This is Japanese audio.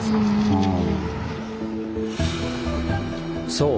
そう。